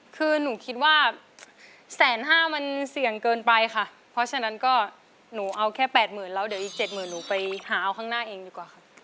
คือหนูคิดว่าแสนห้ามันเสี่ยงเกินไปค่ะเพราะฉะนั้นก็หนูเอาแค่แปดหมื่นแล้วเดี๋ยวอีก๗๐๐หนูไปหาเอาข้างหน้าเองดีกว่าค่ะ